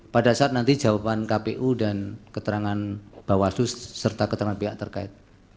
pada saat nanti jawaban kpu dan keterangan bawaslu serta keterangan pihak terkait